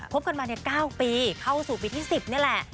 พบกันมาเนี่ย๙ปีเข้าสู่ปีที่๑๐เนี่ยแหละ